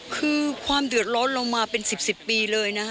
คือความเดือดร้อนเรามาเป็น๑๐ปีเลยนะคะ